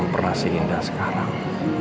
terima kasih indah sekarang